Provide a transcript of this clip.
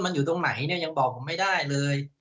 มันอยู่ตรงไหนเนี่ยยังบอกผมไม่ได้เลย